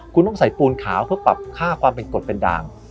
คุณต้องใส่ปูนขาวเพื่อปรับค่าความเป็นกฎเป็นด่าง